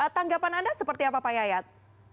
tanggapan anda seperti apa pak yayat